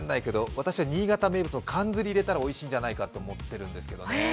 私は新潟名物のかんずりを入れたらおいしいんじゃないかと思うんですよね。